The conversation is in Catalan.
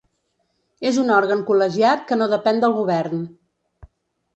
És un òrgan col·legiat que no depèn del govern.